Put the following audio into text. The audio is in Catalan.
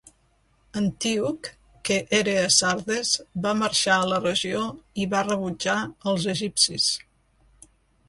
Antíoc que era a Sardes, va marxar a la regió i va rebutjar als egipcis.